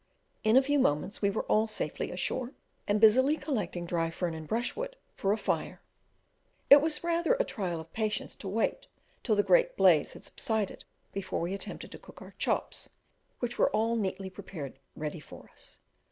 In a few moments we were all safely ashore, and busy collecting dry fern and brushwood for a fire; it was rather a trial of patience to wait till the great blaze had subsided before we attempted to cook our chops, which were all neatly prepared ready for us.